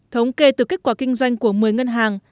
thống kê từ kết quả kinh doanh của một mươi ngân hàng